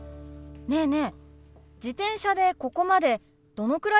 ねえねえ